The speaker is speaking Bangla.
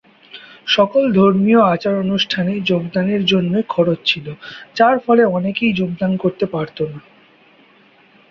সকল ধর্মীয় আচার-অনুষ্ঠানে যোগদানের জন্যই খরচ ছিল, যার ফলে অনেকেই যোগদান করতে পারত না।